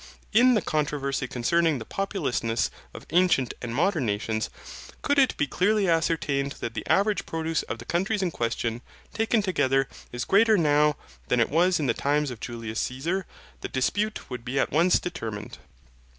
In the controversy concerning the populousness of ancient and modern nations, could it be clearly ascertained that the average produce of the countries in question, taken altogether, is greater now than it was in the times of Julius Caesar, the dispute would be at once determined.